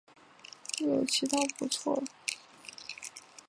若有其他不错的也欢迎推荐